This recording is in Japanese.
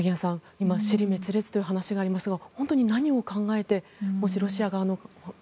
今、支離滅裂という話がありましたが本当に何を考えてもしロシア側の。